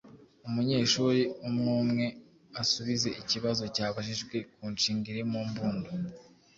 Umunyeshuri umwumwe asubize ikibazo cyabajijwe ku nshinga iri mu mbundo,